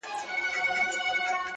ستا د بنگړو مست شرنگهار وچاته څه وركوي.